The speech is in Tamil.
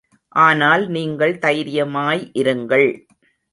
ஆனால் நீங்கள் தைரியமாய் இருங்கள்.